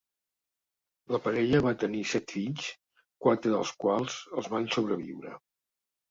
La parella va tenir set fills, quatre dels quals els van sobreviure.